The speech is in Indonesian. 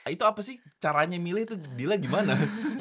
itu apa sih caranya milih itu dila gimana